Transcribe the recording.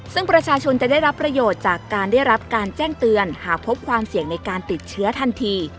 ซึ่งประชาชนจะได้รับประโยชน์จากการได้รับการแจ้งเตือนหากพบความเสี่ยงในการติดเชื้อทันที